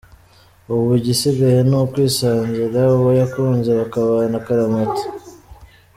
Ubu igisigaye ni ukwisangira uwo yakunze bakabana akaramata.